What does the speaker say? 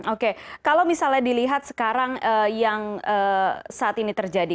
oke kalau misalnya dilihat sekarang yang saat ini terjadi